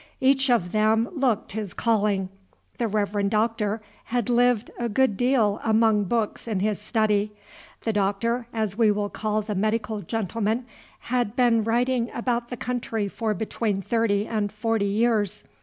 Each of them looked his calling. The Reverend Doctor had lived a good deal among books in his study; the Doctor, as we will call the medical gentleman, had been riding about the country for between thirty and forty years.